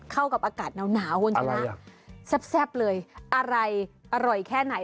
เข้ากับอากาศหนาวคุณชนะแซ่บเลยอะไรอร่อยแค่ไหน